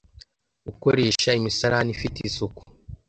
gukoresha imisarani ifite isuku